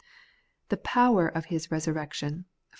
'The power of His resurrection' (PhU.